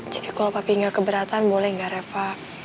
jadi kalo papi gak keberatan boleh gak reva